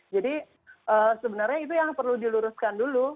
jadi sebenarnya itu yang perlu diluruskan dulu